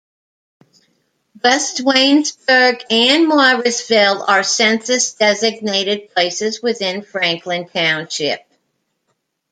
West Waynesburg and Morrisville are census-designated places within Franklin Township.